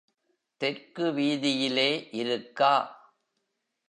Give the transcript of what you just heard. தெற்கு வீதியிலே இருக்கா.